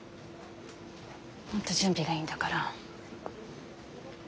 本当準備がいいんだから。